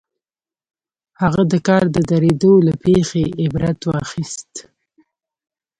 هغه د کار د درېدو له پېښې عبرت واخيست.